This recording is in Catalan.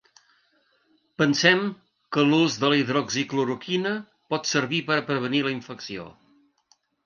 Pensem que l’ús de la hidroxicloroquina pot servir per a prevenir la infecció.